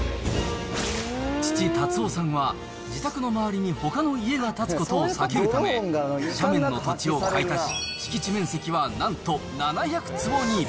父、辰夫さんは、自宅の周りにほかの家が建つことを避けるため、斜面の土地を買い足し、敷地面積はなんと７００坪に。